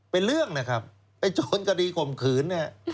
เป็นเรื่องนะครับเป็นโจรกดีข่มขืน